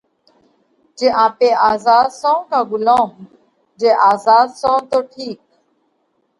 جي آپي آزاڌ سون ڪا ڳلُوم؟ جي آزاڌ سون تو ٺِيڪ